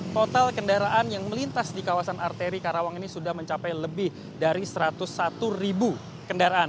total kendaraan yang melintas di kawasan arteri karawang ini sudah mencapai lebih dari satu ratus satu ribu kendaraan